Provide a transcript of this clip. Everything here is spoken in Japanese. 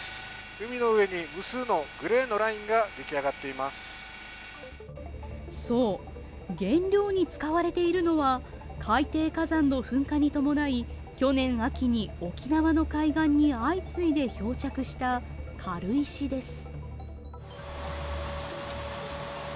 海の上に無数のグレーのラインが出来上がっていますそう、原料に使われているのは海底火山の噴火に伴い去年秋に沖縄の海岸に相次いで漂着した軽石です